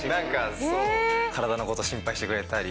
体のことを心配してくれたり。